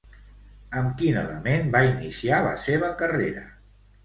Amb quin element va iniciar la seva carrera?